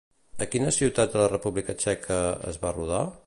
A quines ciutats de la República Txeca es va rodar?